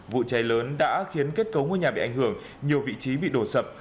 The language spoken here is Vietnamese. vụ cháy lớn đã khiến kết cấu ngôi nhà bị ảnh hưởng nhiều vị trí bị đổ sập